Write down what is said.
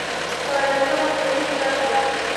په لسمه پېړۍ کې راغلل.